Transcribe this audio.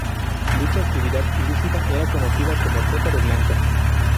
Dicha actividad ilícita era conocida como "trata de blancas.